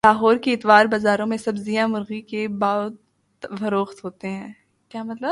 لاہور کے اتوار بازاروں میں سبزیاں مرغی کے بھاو فروخت ہونے لگیں